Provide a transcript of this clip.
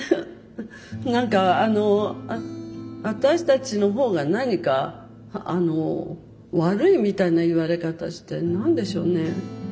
何かあの私たちの方が何か悪いみたいな言われ方して何でしょうね。